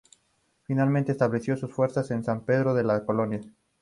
Finalmente estableció sus fuerzas en San Pedro de las Colonias.